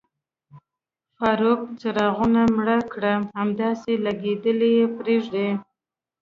فاروق، څراغونه مړه کړه، همداسې لګېدلي یې پرېږدئ.